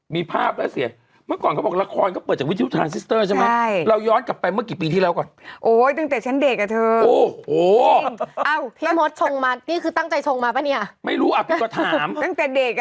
พี่ทำไม่ได้เว้าเตียง